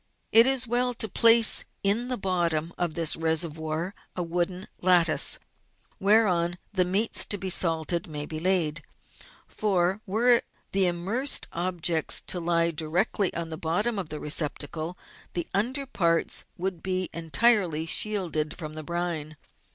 It is well to place in the bottom of this reservoir a wooden lattice, whereon the meats to be salted may be laid, for, were the immersed objects to lie directly on the bottom of the receptacle, the under parts would be entirely shielded from the brine.